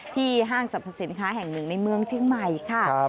ห้างสรรพสินค้าแห่งหนึ่งในเมืองเชียงใหม่ค่ะ